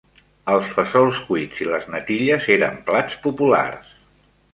Els fesols cuits i les natilles eren plats populars.